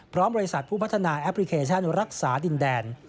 บริษัทผู้พัฒนาแอปพลิเคชันรักษาดินแดน